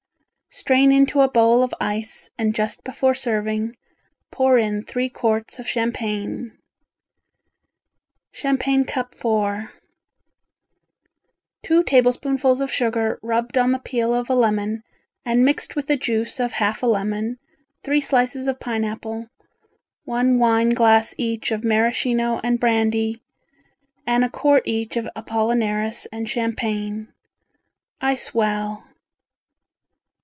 Strain into a bowl of ice and just before serving, pour in three quarts of champagne. Champagne Cup IV Two tablespoonfuls of sugar rubbed on the peel of a lemon and mixed with the juice of half a lemon, three slices of pineapple, one wine glass each of Maraschino and brandy and a quart each of apollinaris and champagne. Ice well.